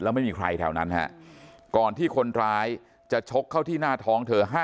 ไม่มีใครแถวนั้นฮะก่อนที่คนร้ายจะชกเข้าที่หน้าท้องเธอ